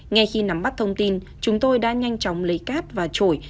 ngay khi nắm bắt thông tin chúng tôi đã nhanh chóng lấy cát và trội